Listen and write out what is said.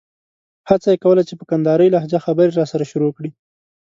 هڅه یې کوله چې په کندارۍ لهجه خبرې راسره شروع کړي.